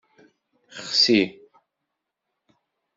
Xsi.